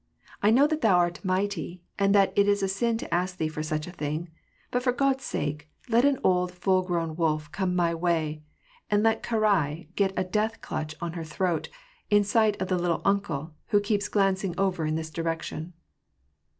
I know that Thou art mighty, and that it is a sin to ask Thee for such a thing ; but for God's sake let an old full grown wolf come my way, and let Karai get a death clutch on her throat, in sight of the ^ little uncle ' who keeps glancing over in this direction."